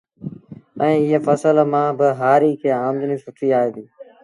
ايئي ڦسل مآݩ با هآريٚ کي آمدنيٚ سُٺيٚ آئي ديٚ